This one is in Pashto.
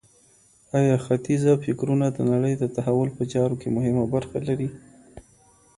آیا ختیځه فکرونه د نړۍ د تحول په چارو کي مهمه برخه لري؟